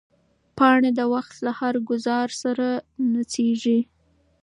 پاڼه د وخت له هر ګوزار سره نڅېږي.